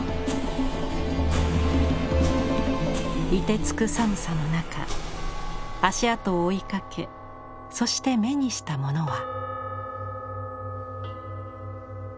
いてつく寒さの中足跡を追いかけそして目にしたものは。